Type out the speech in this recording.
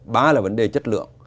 ba vấn đề chất lượng